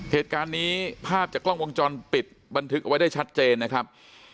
เหตุการณ์นี้ภาพจากกล้องวงจรปิดบันทึกเอาไว้ได้ชัดเจนนะครับ